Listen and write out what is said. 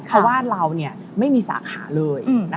เพราะว่าเราไม่มีสาขาเลย